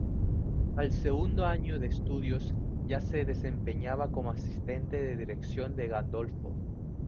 Al segundo año de estudios ya se desempeñaba como asistente de dirección de Gandolfo.